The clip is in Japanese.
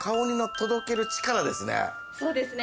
そうですね。